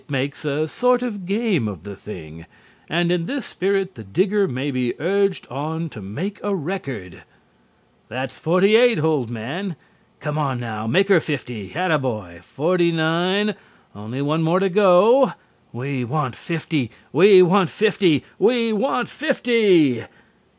It makes a sort of game of the thing, and in this spirit the digger may be urged on to make a record. "That's forty eight, old man! Come on now, make her fifty. Attaboy, forty nine! Only one more to go. We want fifty we want fifty we want fifty."